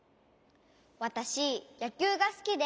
わたしやきゅうがすきで。